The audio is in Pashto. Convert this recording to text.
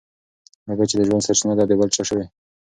اوبه چي د ژوند سرچینه ده د بل چا شوې.